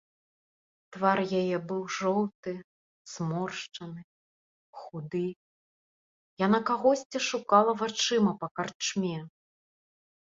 Твар яе быў жоўты, зморшчаны, худы, яна кагосьці шукала вачыма па карчме.